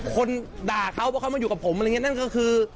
คนด่าเขาเพราะเขาไม่อยู่กับผมนั่นก็คือ